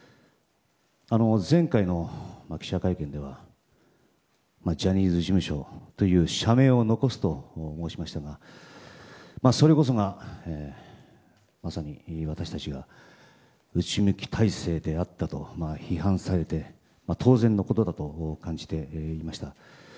前回の記者会見ではジャニーズ事務所という社名を残すと申しましたがそれこそが、まさに私たちが内向き体制であったと批判されて当然のことだと感じていました。